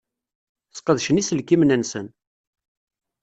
Sqedcen iselkimen-nsen.